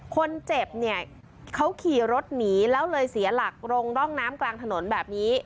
คนเจ็บเนี่ยเขาขี่รถหนีแล้วเลยเสียหลักลงร่องน้ำกลางถนนแบบนี้